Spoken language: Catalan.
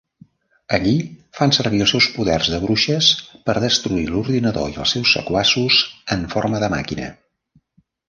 Allí, fan servir els seus poders de bruixes per destruir l'ordinador i els seus sequaços en forma de màquina.